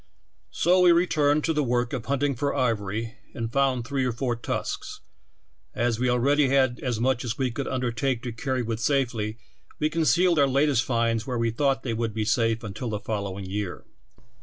So we returned to the work of hunting for ivor^q and found three or four tusks; as we alread\" had as much as we could undertake to carry with safet^^ we concealed our latest finds where we thought they would be safe until the fol lowilig year.